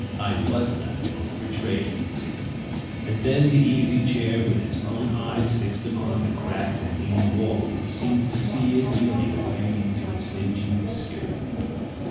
I was not built for trade, at least." And then the Easy Chair, with its own eyes fixed upon the cracked and leaning walls, seems to see it reeling away into its dingy obscurity.